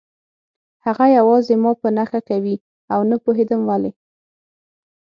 هغه یوازې ما په نښه کوي او نه پوهېدم ولې